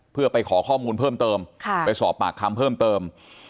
เพื่อไปขอข้อมูลเพิ่มเติมไปสอบปากคำเพิ่มเติม